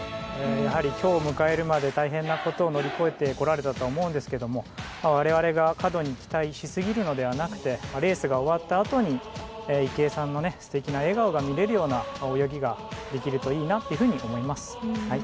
やはり今日を迎えるまで大変なことを乗り越えてこられたとは思うんですが、我々が過度に期待しすぎるのではなくレースが終わったあとに池江さんの素敵な笑顔が見れるような泳ぎができるといいなというふうに思います。